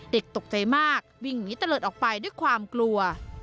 เด็กตกใจมากวิ่งหนีตะเลิศออกไปด้วยความกลัว